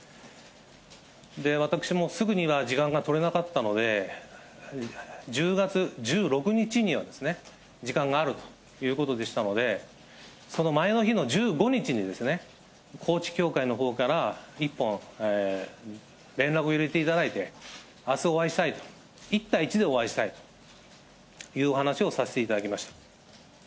私もすぐには時間が取れなかったので、１０月１６日には時間があるということでしたので、その前の日の１５日に、高知教会のほうから、一本連絡を入れていただいて、あすお会いしたいと、１対１でお会いしたいというお話をさせていただきました。